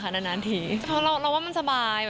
เรามันสบาย